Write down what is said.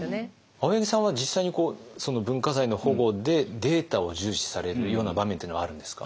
青柳さんは実際に文化財の保護でデータを重視されるような場面っていうのはあるんですか？